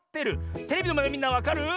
テレビのまえのみんなわかる？